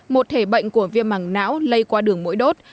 một thể bệnh của viêm mảng não lây qua đường mũi đốt